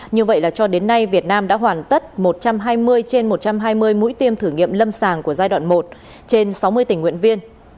như vậy là cho đến nay việt nam đã hoàn tất một trăm hai mươi trên một trăm hai mươi mũi tiêm thử nghiệm lâm sàng của giai đoạn một trên sáu mươi tình nguyện viên